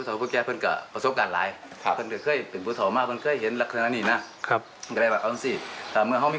ถ้ามิงคุณไปก่อนครั้งนี้